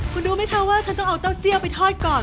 คุณรู้ไหมคะว่าฉันต้องเอาเต้าเจี้ยวไปทอดก่อน